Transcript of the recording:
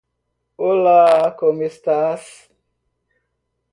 Olá como estás?